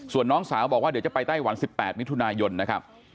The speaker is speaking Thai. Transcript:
ส่วนน้องสาวบอกว่าเดี๋ยวจะไปไต้หวัน๑๘มิถุนายนนะครับ